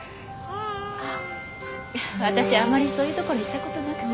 あっ私あまりそういうところ行ったことなくて。